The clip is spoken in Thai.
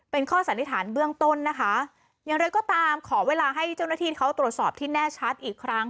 เป็นข้อสันนิษฐานเบื้องต้นนะคะอย่างไรก็ตามขอเวลาให้เจ้าหน้าที่เขาตรวจสอบที่แน่ชัดอีกครั้ง